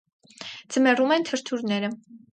Ձմեռում են թրթուրները։